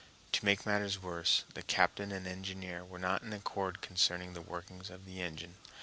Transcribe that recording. To make matters worse, the captain and engineer were not in accord concerning the working of the engines.